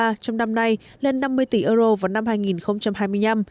trong năm nay lên năm mươi tỷ euro vào năm hai nghìn hai mươi năm